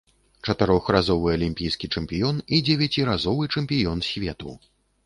Чатырохразовы алімпійскі чэмпіён і дзевяціразовы чэмпіён свету.